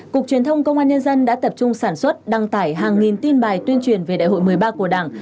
cục truyền thông công an nhân dân đã tập trung sản xuất đăng tải hàng nghìn tin bài tuyên truyền về đại hội một mươi ba của đảng